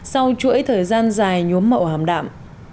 sau chuỗi thời gian dài nhuốm mậu hàm đạm